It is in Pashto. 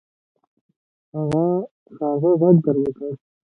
هغه ږغ در وکړئ.